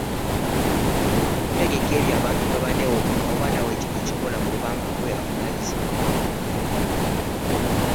Okutegeka ebyo abantu mwe baneewogoma oba naawe kino okikola bw’oba nga ggwe ovunaanyizibwa.